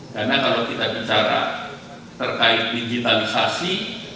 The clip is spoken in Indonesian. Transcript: karena kalau kita bicara terkait digitalisasi